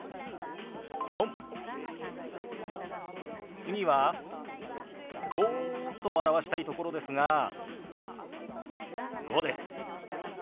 次は「５」と表したいところですが「５」です。